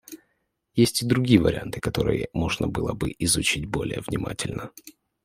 Есть и другие варианты, которые можно было бы изучить более внимательно.